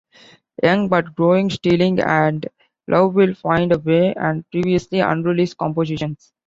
"Young But Growing", "Stealing" and "Love Will Find a Way" are previously unreleased compositions.